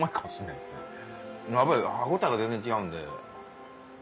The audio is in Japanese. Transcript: やっぱり歯応えが全然違うんで。